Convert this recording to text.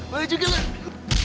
boleh juga leh